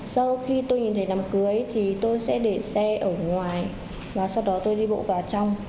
sau khi tôi nhìn thấy đám cưới thì tôi sẽ để xe ở ngoài và sau đó tôi đi bộ vào trong